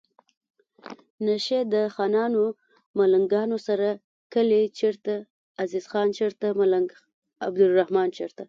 نشي د خانانو ملنګانو سره کلي چرته عزیز خان چرته ملنګ عبدالرحمان